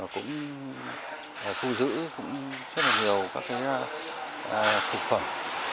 cũng thu giữ rất nhiều các thực phẩm